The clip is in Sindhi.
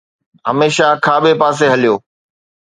هميشه کاٻي پاسي هليو